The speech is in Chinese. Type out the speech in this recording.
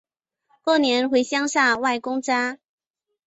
过年回乡下外公家